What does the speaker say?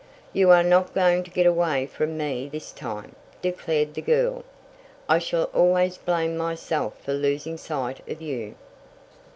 "You are not going to get away from me this time," declared the girl. "I shall always blame myself for losing sight of you."